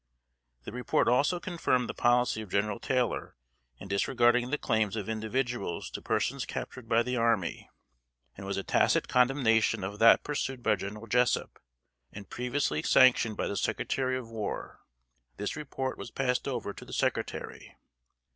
The report also confirmed the policy of General Taylor in disregarding the claims of individuals to persons captured by the army, and was a tacit condemnation of that pursued by General Jessup, and previously sanctioned by the Secretary of War. This report was passed over to the Secretary.